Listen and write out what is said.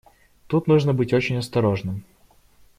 Тут нужно быть очень осторожным.